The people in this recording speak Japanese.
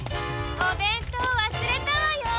おべんとうわすれたわよ。